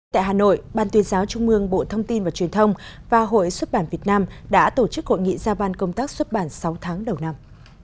tại hà nội ban tuyên giáo trung mương bộ thông tin và truyền thông và hội xuất bản việt nam đã tổ chức hội nghị ra ban công tác xuất bản sáu tháng đầu năm